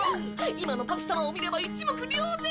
今のパピ様を見れば一目瞭然！